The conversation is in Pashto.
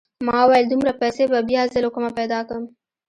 ما وويل دومره پيسې به بيا زه له کومه پيدا کم.